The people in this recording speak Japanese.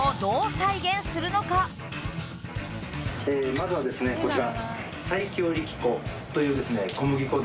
まずはですねこちら。